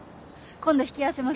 今度引き合わせます。